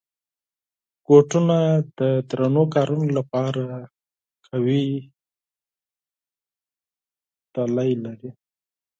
بوټونه د درنو کارونو لپاره قوي تله لري.